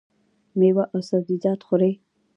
میوه او سبزیجات خورئ؟